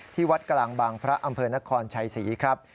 ที่วัดกลางบางพระอำเภอนครชัยศรีครับ